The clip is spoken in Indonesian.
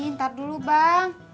ntar dulu bang